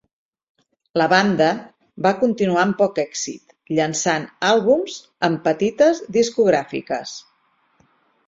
La banda va continuar amb poc èxit, llançant àlbums amb petites discogràfiques.